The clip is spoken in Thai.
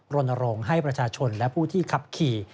รณรงค์ให้ประชาชนและผู้ที่ขับขี่